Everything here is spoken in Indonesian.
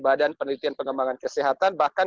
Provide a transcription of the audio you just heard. badan penelitian pengembangan kesehatan bahkan